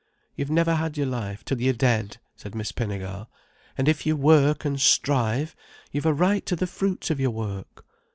"You've never had your life, till you're dead," said Miss Pinnegar. "And if you work and strive, you've a right to the fruits of your work."